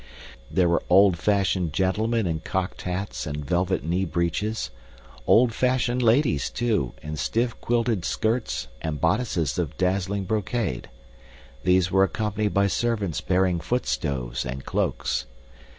} There were old fashioned gentlemen in cocked hats and velvet knee breeches; old fashioned ladies, too, in stiff quilted skirts and bodices of dazzling brocade. These were accompanied by servants bearing foot stoves and cloaks.